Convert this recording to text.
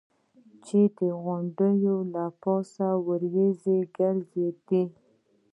چې د غونډیو له پاسه یې ورېځې ګرځېدې.